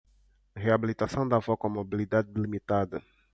Reabilitação da avó com mobilidade limitada